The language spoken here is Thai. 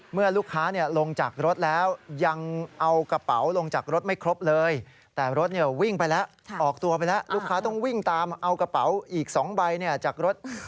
เมื่อลูกค้าลงจากรถแล้วยังเอากระเป๋าลงจากรถไม่ครบเลยแต่รถวิ่งไปแล้วออกตัวไปแล้วลูกค้าต้องวิ่งตามเอากระเป๋าอีก๒ใบจากรถ